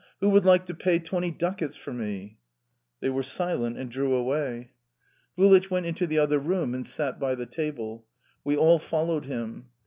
"Who would like to pay twenty ducats for me?" They were silent and drew away. Vulich went into the other room and sat by the table; we all followed him.